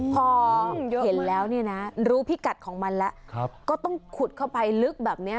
พอเห็นแล้วเนี่ยนะรู้พิกัดของมันแล้วก็ต้องขุดเข้าไปลึกแบบนี้